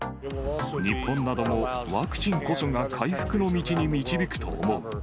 日本なども、ワクチンこそが回復の道に導くと思う。